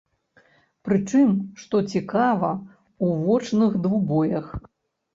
Прычым, што цікава, у вочных двубоях.